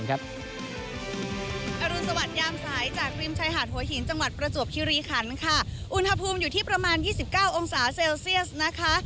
ที่ประมาณ๒๙องศาเซลเซียสนะคะ